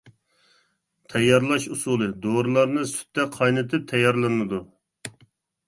تەييارلاش ئۇسۇلى: دورىلارنى سۈتتە قاينىتىپ تەييارلىنىدۇ.